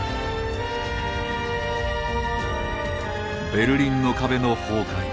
ベルリンの壁の崩壊